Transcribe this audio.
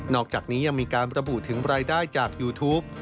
อกจากนี้ยังมีการระบุถึงรายได้จากยูทูป